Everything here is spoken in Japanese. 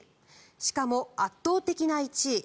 しかも圧倒的な１位。